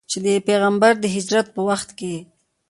چې د پیغمبر د هجرت په وخت کې.